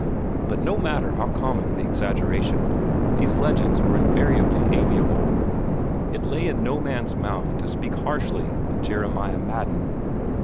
But no matter how comic the exaggeration, these legends were invariably amiable. It lay in no man's mouth to speak harshly of Jeremiah Madden.